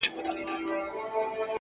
جانه ځان دي ټوله پکي وخوړ”